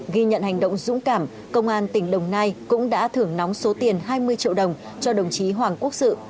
ghi nhận hành động dũng cảm công an tỉnh đồng nai cũng đã thưởng nóng số tiền hai mươi triệu đồng cho đồng chí hoàng quốc sự